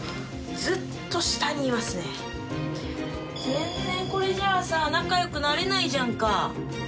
全然これじゃあさ仲良くなれないじゃんか。